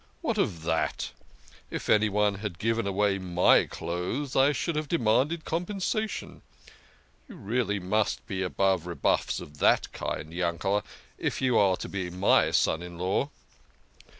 " What of that ? If anyone had given away my clothes, I should have demanded compensation. You must really be above rebuffs of that kind, Yanked, if you are to be my son in law.